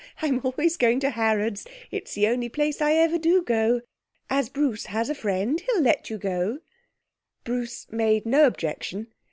I'm always going to Harrod's; it's the only place I ever do go. As Bruce has a friend he'll let you go.' Bruce made no objection.